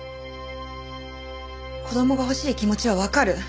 子供が欲しい気持ちはわかる。